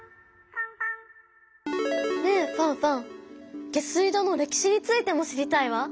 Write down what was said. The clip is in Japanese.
ねえファンファン下水道の歴史についても知りたいわ。